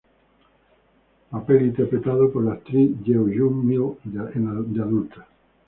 Papel interpretado por la actriz Jeong Yu-mi de adulta.